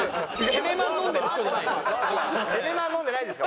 エメマン飲んでる人じゃないんですよ。